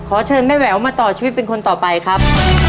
เชิญแม่แหววมาต่อชีวิตเป็นคนต่อไปครับ